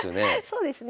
そうですね。